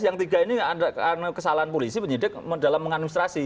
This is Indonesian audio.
yang tiga ini kesalahan polisi penyidik dalam mengadministrasi